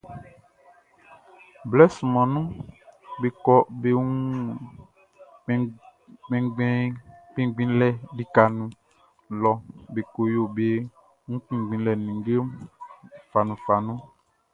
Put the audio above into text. Blɛ sunman nunʼn, be kɔ be wun kpinngbinlɛ likaʼn nun lɔ be ko yo be wun kpinngbinlɛ nin ninnge fanunfanun.